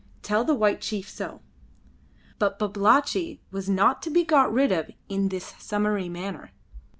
Tell the white chief so." But Babalatchi was not to be got rid of in this summary manner.